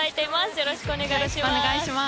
よろしくお願いします。